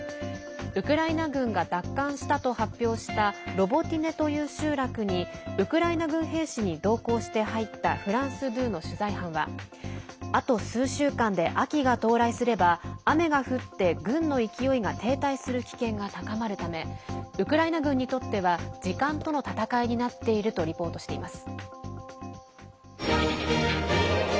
ウクライナ軍が奪還したと発表したロボティネという集落にウクライナ軍兵士に同行して入ったフランス２の取材班はあと数週間で秋が到来すれば雨が降って軍の勢いが停滞する危険が高まるためウクライナ軍にとっては時間との闘いになっているとリポートしています。